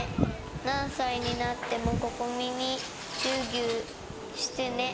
何歳になっても心々咲にチューぎゅーしてね。